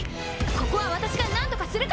ここは私が何とかするから！